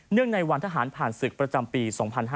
ในวันทหารผ่านศึกประจำปี๒๕๕๙